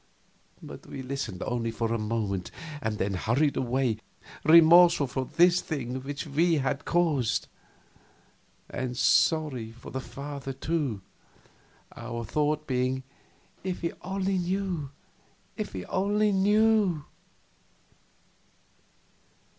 But we listened only a moment, then hurried away, remorseful for this thing which we had caused. And sorry for the father, too; our thought being, "If he only knew if he only knew!"